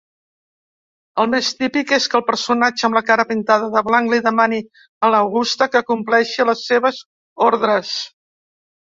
El més típic és que el personatge amb la cara pintada de blanc li demani a l'Auguste que compleixi les seves ordres.